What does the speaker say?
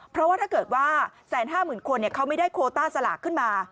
เพราะว่าถ้าเกิดว่า๑๕๐๐๐คนเขาไม่ได้โคต้าสลากขึ้นมา